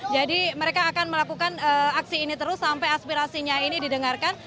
jadi mereka akan melakukan aksi ini terus sampai aspirasinya ini didengarkan